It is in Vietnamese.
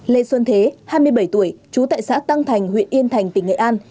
lê xuân thế hai mươi bảy tuổi trú tại xã tăng thành huyện yên thành tỉnh nghệ an